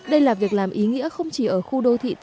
đây là việc làm ý nghĩa không chỉ ở khu đô thị